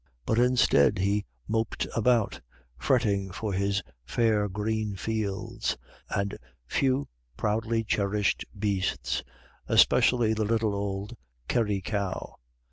But instead he moped about, fretting for his fair green fields, and few proudly cherished beasts, especially the little old Kerry cow.